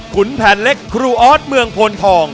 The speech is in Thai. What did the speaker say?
คุณแผนเล็กครูออสเมืองโพนทอง